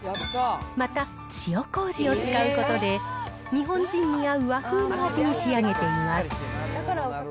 また塩こうじを使うことで、日本人に合う和風の味に仕上げています。